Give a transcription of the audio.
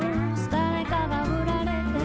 「誰かがふられて」